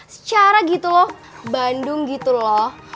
secara gitu loh bandung gitu loh